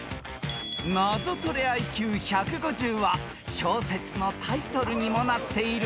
［ナゾトレＩＱ１５０は小説のタイトルにもなっているあの雪です］